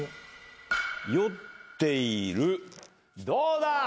どうだ？